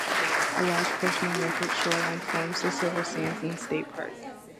A large portion of Milford's shoreline forms the Silver Sands State Park.